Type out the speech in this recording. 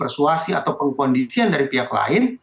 persuasi atau pengkondisian dari pihak lain